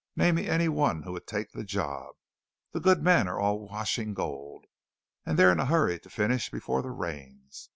"Name me any one who would take the job. The good men are all washing gold; and they're in a hurry to finish before the rains.